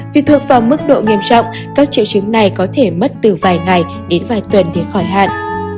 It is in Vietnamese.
tùy thuộc vào mức độ nghiêm trọng các triệu chứng này có thể mất từ vài ngày đến vài tuần để khỏi hạn